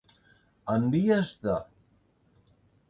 En vies de.